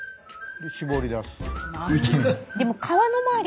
搾り出す。